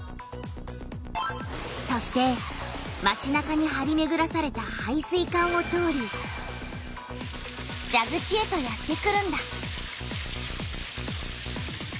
そしてまちなかにはりめぐらされた配水管を通りじゃぐちへとやってくるんだ。